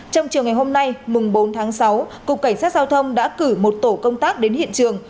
trong chiều ngày hôm nay mùng bốn tháng sáu cục cảnh sát giao thông đã cử một tổ công tác đến hiện trường